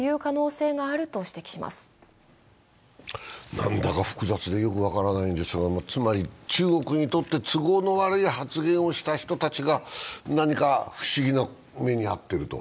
何だか複雑でよく分からないんですが、つまり中国にとって都合の悪い発言をした人たちが何か不思議な目に遭っていると。